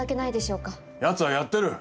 やつはやってる。